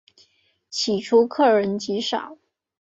起初客人极少。